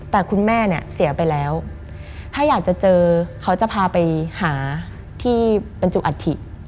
แต่คุณแม่เนี่ยเสียไปแล้วถ้าอยากจะเจอเขาจะพาไปหาที่บรรจุอัฐิ